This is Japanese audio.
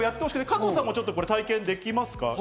加藤さん、体験できますか？